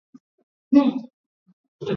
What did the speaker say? huku polisi wakikataa kukiri iwapo ni kweli